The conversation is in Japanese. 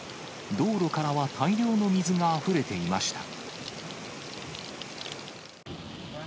道路からは大量の水があふれていました。